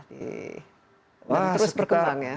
terus berkembang ya